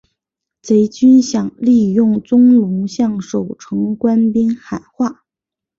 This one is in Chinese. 贼军想利用宗龙向守城官兵喊话。